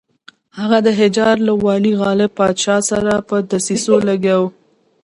هغه د حجاز له والي غالب پاشا سره په دسیسو لګیا وو.